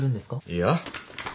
いや。